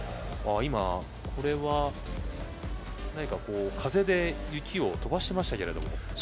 今、これは風で雪を飛ばしてましたけれども。